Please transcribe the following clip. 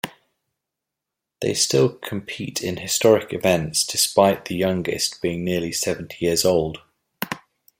They still compete in historic events despite the youngest being nearly seventy years old.